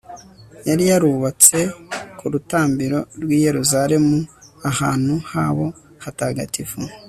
yari yarubatse ku rutambiro rw'i yeruzalemu, ahantu habo hatagatifu